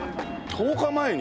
１０日前に？